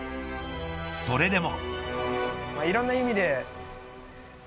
それでも。